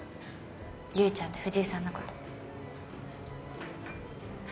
優ちゃんと藤井さんのこと。